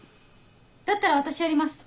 だったら私やります。